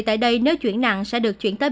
tại đây nếu chuyển nặng sẽ được chuyển tới